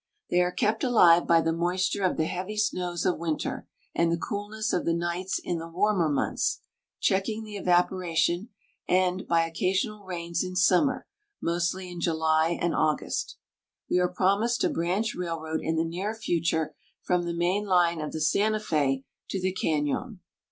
They are kept alive by the moisture of the heavy snows of winter, and the coolness of the nights in the warmer months, checking the evaporation, and by occasional rains in summer, mostly in July and August. We are promised a branch railroad in the near future from the main line of the Santa Fe to the Cañon.